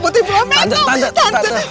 putri belum matang bener kan putri belum matang